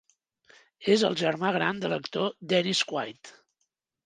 És el germà gran de l'actor Dennis Quaid.